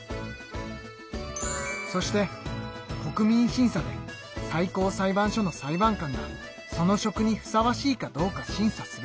そして国民審査で最高裁判所の裁判官がその職にふさわしいかどうか審査する。